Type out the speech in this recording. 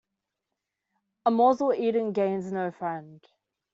A morsel eaten gains no friend.